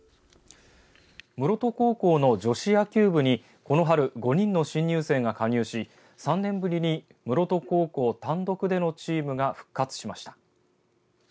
室戸高校の女子野球部にこの春、５人の新入生が加入し３年ぶりに室戸高校単独でのチームが復活しました。